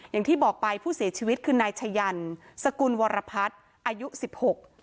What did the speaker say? อย่างที่บอกไปผู้เสียชีวิตคือนายชะยันสกุลวรพัฒน์อายุสิบหก